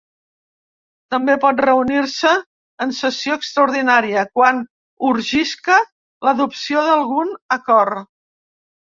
També pot reunir-se en sessió extraordinària quan urgisca l’adopció d’algun acord.